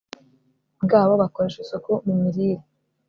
bwabo bakoresha isuku mu mirire